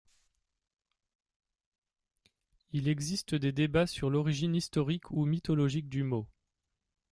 Il existe des débats sur l’origine historique ou mythologique du mot.